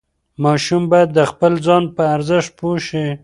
ماشوم باید د خپل ځان پر ارزښت پوه شي.